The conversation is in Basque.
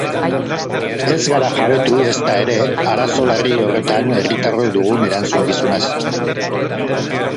Ez gara jabetu, ezta ere, arazo larri horretan herritarrok dugun erantzukizunaz.